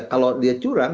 kalau dia curang